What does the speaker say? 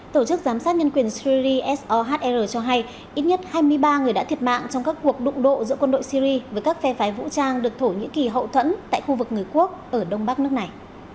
tổ chức giám sát nhân quyền syri sohr cho hay ít nhất hai mươi ba người đã thiệt mạng trong các cuộc đụng độ giữa quân đội syri với các phe phái vũ trang được thổ nhĩ kỳ hậu thuẫn tại khu vực người quốc ở đông bắc nước này